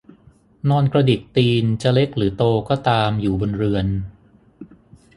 นอนกระดิกตีนจะเล็กหรือโตก็ตามอยู่บนเรือน